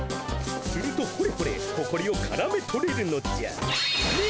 するとほれほれほこりをからめとれるのじゃ。